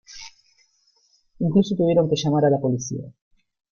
Incluso tuvieron que llamar a la policía.